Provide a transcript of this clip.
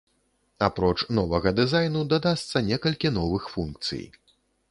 Апроч новага дызайну, дадасца некалькі новых функцый.